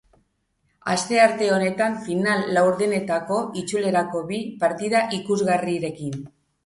Astearte honetan final-laurdenetako itzulerako bi partida ikusgarrirekin.